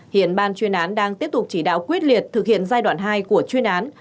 hiện ban chuyên án đang tiếp tục chỉ đạo quyết liệt thực hiện giai đoạn hai của chuyên án